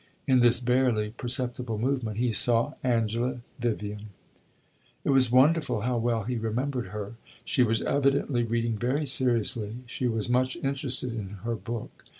In this barely perceptible movement he saw Angela Vivian; it was wonderful how well he remembered her. She was evidently reading very seriously; she was much interested in her book.